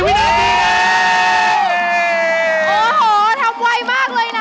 โอ้โหทำไวมากเลยนะ